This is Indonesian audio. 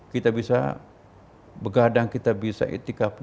kita bisa bergadang kita bisa di mana pun masjid yang kita inginkan kita bisa